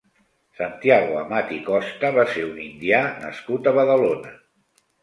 Santiago Amat i Costa va ser un indià nascut a Badalona.